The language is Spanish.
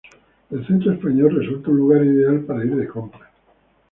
El centro Español resulta un lugar ideal para ir de compras.